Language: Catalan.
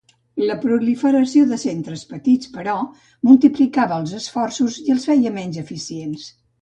La proliferació de centres petits, però, multiplicava els esforços i els feia menys eficients.